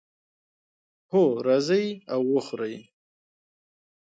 هو، راځئ او وخورئ